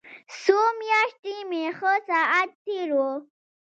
څو مياشتې مې ښه ساعت تېر و.